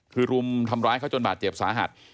คือรุมทำร้ายเขาจนบาดเจ็บสาหัส